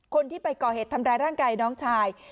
คนที่ไปก่อเหตุทำร้ายร่างกายน้องชาย